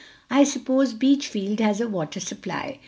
I suppose Beachfield has a water supply.